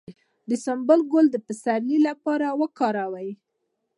د سنبل ګل د پسرلي لپاره وکاروئ